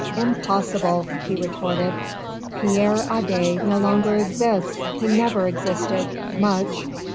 "Impossible!" he retorted. "Pierre Adet no longer exists ... he never existed ... much....